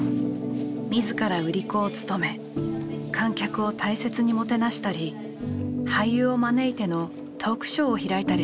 自ら売り子を務め観客を大切にもてなしたり俳優を招いてのトークショーを開いたりしました。